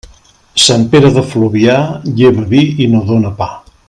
Sant Pere de Fluvià lleva vi i no dóna pa.